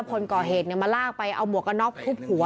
๕คนก่อเหตุเนี่ยมาลากไปเอาหมวกกระน็อคคลุกหัว